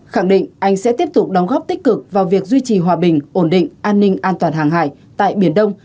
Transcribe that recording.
khẳng định anh sẽ tiếp tục đóng góp tích cực vào việc duy trì hòa bình ổn định an ninh an toàn hàng hải tại biển đông